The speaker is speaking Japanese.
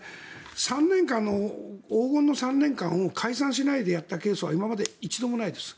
３年間の黄金の３年間を解散しないでやったケースは今まで一度もないです。